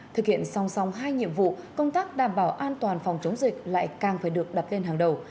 thực hiện song song hai nhiệm vụ công tác đảm bảo an toàn phòng chống dịch lại càng phải được đặt lên hàng đầu